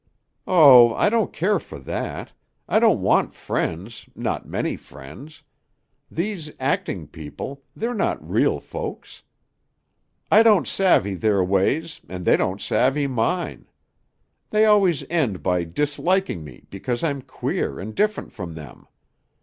"Oh, I don't care for that. I don't want friends, not many friends. These acting people, they're not real folks. I don't savvy their ways and they don't savvy mine. They always end by disliking me because I'm queer and different from them.